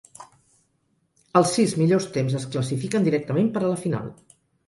Els sis millors temps es classifiquen directament per a la final.